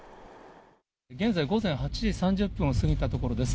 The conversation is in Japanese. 現在午前８時３０分を過ぎたところです。